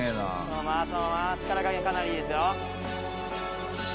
そのままそのまま力加減かなりいいですよ。